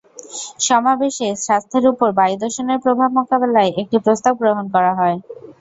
সমাবেশে স্বাস্থ্যের ওপর বায়ুদূষণের প্রভাব মোকাবিলায় একটি প্রস্তাব গ্রহণ করা হয়।